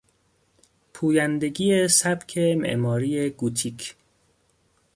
پویندگی سبک معماری گوتیک